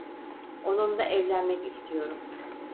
Onunla evlenmek istiyorum.